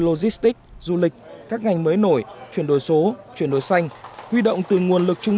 logistic du lịch các ngành mới nổi chuyển đổi số chuyển đổi xanh huy động từ nguồn lực trung